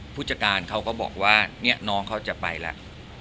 ผู้จัดการเขาก็บอกว่านี่น้องเขาจะไปแล้ว